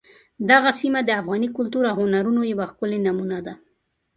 دغه سیمه د افغاني کلتور او هنرونو یوه ښکلې نمونه ده.